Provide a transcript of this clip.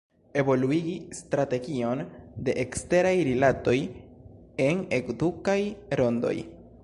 Evoluigi strategion de eksteraj rilatoj en edukaj rondoj.